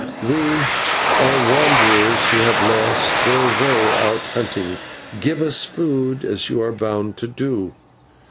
"We are wanderers who have lost our way out hunting. Give us food, as you are bound to do."